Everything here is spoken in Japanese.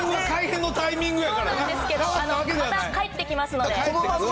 そうなんですけど、また帰ってきますので。